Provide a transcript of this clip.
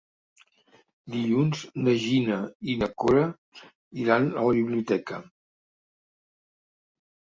Dilluns na Gina i na Cora iran a la biblioteca.